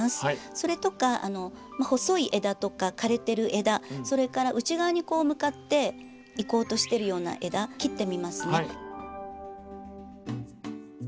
それとか細い枝とか枯れてる枝それから内側に向かっていこうとしてるような枝切ってみますね。